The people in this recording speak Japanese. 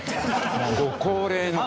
ご高齢の方。